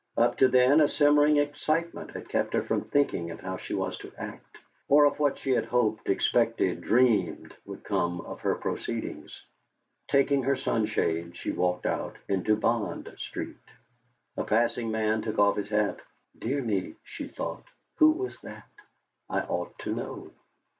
Up to then a simmering excitement had kept her from thinking of how she was to act, or of what she had hoped, expected, dreamed, would come of her proceedings. Taking her sunshade, she walked out into Bond Street. A passing man took off his hat. '.ear me,' she thought, 'who was that? I ought to know!'